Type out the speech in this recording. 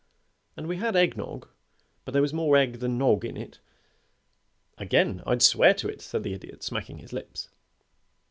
"And we had egg nog, but there was more egg than nog in it " "Again I'd swear to it," said the Idiot, smacking his lips.